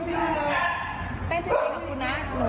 เป็นชุดดีหรอคุณน้า